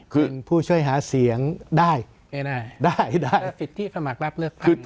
คือผู้ช่วยหาเสียงได้ได้สิทธิสมัครรับเลือกตั้ง